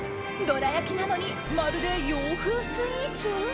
どら焼きなのにまるで洋風スイーツ？